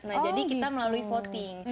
nah jadi kita melalui voting